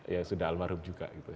ya sudah almarhum juga gitu